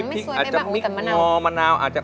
ไม่สวยไม่บ้างอุ้ยแต่มะนาว